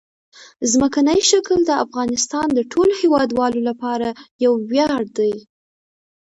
ځمکنی شکل د افغانستان د ټولو هیوادوالو لپاره یو ویاړ دی.